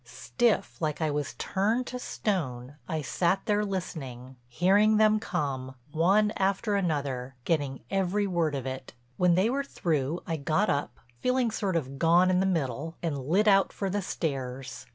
Stiff, like I was turned to stone, I sat there listening, hearing them come, one after another, getting every word of it. When they were through I got up, feeling sort of gone in the middle, and lit out for the stairs.